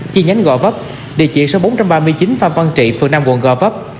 chi nhánh gò vấp địa chỉ số bốn trăm ba mươi chín phan văn trị phường năm quận gò vấp